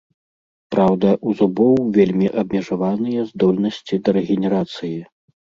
Праўда, у зубоў вельмі абмежаваныя здольнасці да рэгенерацыі.